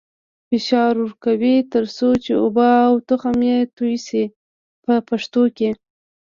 فشار ورکوي تر څو چې اوبه او تخم یې توی شي په پښتو کې.